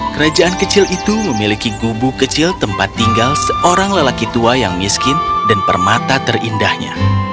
kerajaan kecil itu memiliki gubu kecil tempat tinggal seorang lelaki tua yang miskin dan permata terindahnya